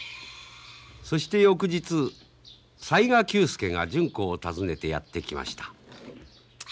そして翌日雑賀久助が純子を訪ねてやって来ました。